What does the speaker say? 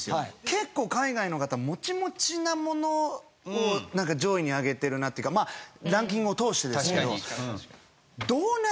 結構海外の方モチモチなものを上位に挙げてるなというかランキングを通してですけど。